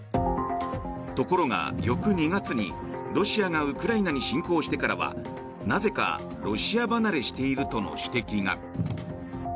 ところが、翌２月にロシアがウクライナに侵攻してからはなぜかロシア離れしているとの指摘が。